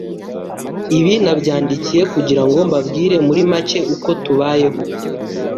Ibi nabyandikiye kugira ngo mbabwire muri make uko tubayeho